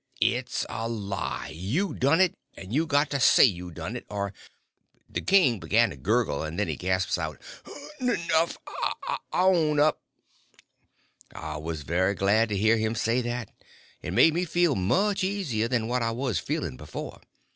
"It's a lie! You done it, and you got to say you done it, or—" The king began to gurgle, and then he gasps out: "'Nough!—I own up!" I was very glad to hear him say that; it made me feel much more easier than what I was feeling before.